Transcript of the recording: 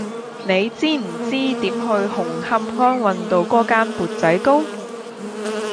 你知唔知點去紅磡安運道嗰間缽仔糕